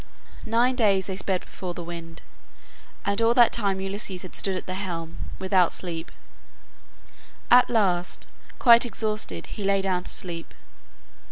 Nine days they sped before the wind, and all that time Ulysses had stood at the helm, without sleep. At last quite exhausted he lay down to sleep.